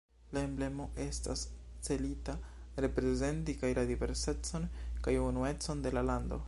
La emblemo estas celita reprezenti kaj la diversecon kaj unuecon de la lando.